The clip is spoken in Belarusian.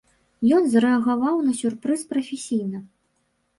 Ён зрэагаваў на сюрпрыз прафесійна.